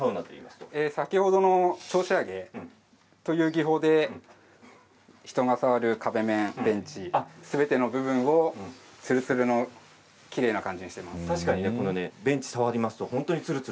先ほどの超仕上げという技法で人が触る壁面ベンチすべての部分をつるつるのきれいな感じにしています。